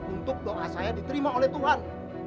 untuk doa saya diterima oleh tuhan